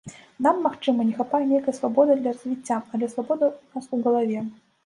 Нам, магчыма, не хапае нейкай свабоды для развіцця, але свабода ў нас у галаве.